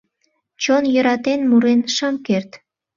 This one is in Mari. Чон йӧратен мурен шым керт